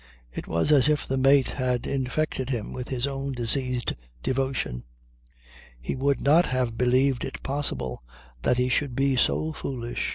It was as if the mate had infected him with his own diseased devotion. He would not have believed it possible that he should be so foolish.